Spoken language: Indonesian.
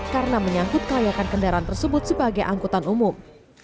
karena menyangkut kelayakan kendaraan tersebut sebagai angkutan umum